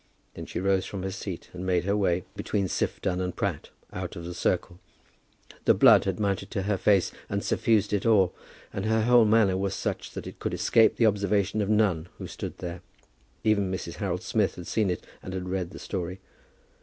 Then she rose from her seat, and made her way, between Siph Dunn and Pratt, out of the circle. The blood had mounted to her face and suffused it all, and her whole manner was such that it could escape the observation of none who stood there. Even Mrs. Harold Smith had seen it, and had read the story.